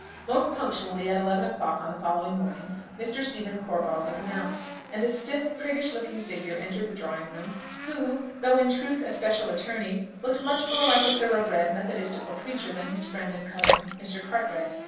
Most punctually at eleven o'clock on the following morning, Mr. Stephen Corbold was announced, and a stiff priggish looking figure entered the drawing room, who, though in truth a "special attorney," looked much more like a thorough bred methodistical preacher than his friend and cousin Mr. Cartwright.